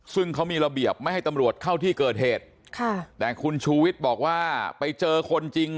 ซึ่งเขามีระเบียบไม่ให้ตำรวจเข้าที่เกิดเหตุค่ะแต่คุณชูวิทย์บอกว่าไปเจอคนจริง